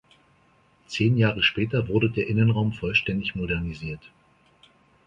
Zehn Jahre später wurde der Innenraum vollständig modernisiert.